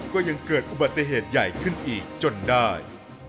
ก็ยังเกิดอุบัติเหตุใหญ่ขึ้นอีกจนได้